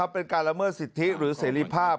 เป็นการละเมิดสิทธิหรือเสรีภาพ